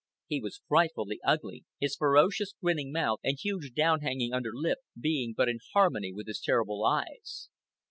He was frightfully ugly, his ferocious grinning mouth and huge down hanging under lip being but in harmony with his terrible eyes.